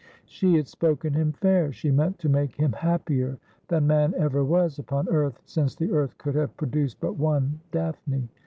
She had spoken him fair ; she meant to make him happier than man ever was upon earth, since the earth could have produced but one Daphne.